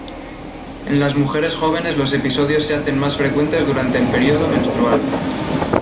En las mujeres jóvenes los episodios se hacen más frecuentes durante el período menstrual.